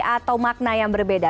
atau makna yang berbeda